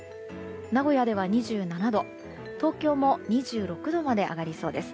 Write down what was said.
名古屋では２７度東京も２６度まで上がりそうです。